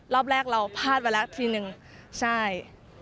รอบแรกเราพลาดไปแล้วทีนึงใช่